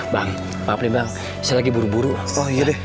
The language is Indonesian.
bapak bapak saya mau ke rumah